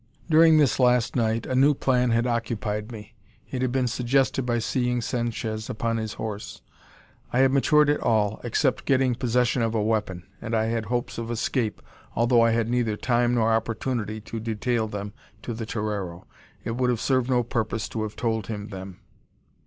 During this last night a new plan had occupied me. It had been suggested by seeing Sanchez upon his horse. I had matured it all, except getting possession of a weapon; and I had hopes of escape, although I had neither time nor opportunity to detail them to the torero. It would have served no purpose to have told him them.